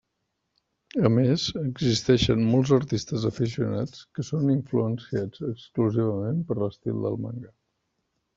A més, existeixen molts artistes aficionats que són influenciats exclusivament per l'estil del manga.